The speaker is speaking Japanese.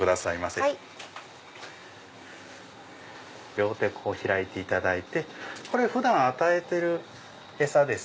両手開いていただいてこれ普段与えてる餌です。